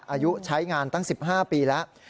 อายุใช้งานตั้ง๑๕ปีแล้ว